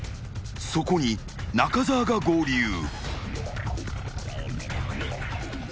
［そこに中澤が合流］